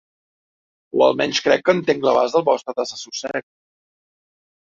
O almenys crec que entenc l'abast del vostre desassossec.